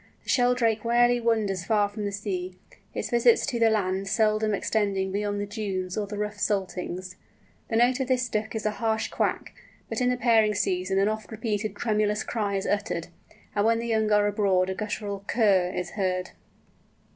The Sheldrake rarely wanders far from the sea, its visits to the land seldom extending beyond the dunes or the rough saltings. The note of this Duck is a harsh quack, but in the pairing season an oft repeated tremulous cry is uttered, and when the young are abroad a guttural kurr is heard.